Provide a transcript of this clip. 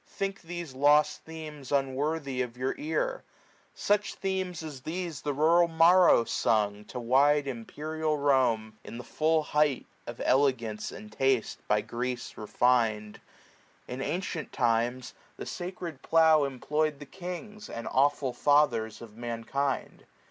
Think these lost themes unworthy of your ear : Such themes as these the rural Maro sung 55 To wide imperial Rome, in the full height Of elegance and taste, by Greece refin'd. B 2i SPRING. In antient times, the sacred plough employkl The kings, and aweful fathers of mankind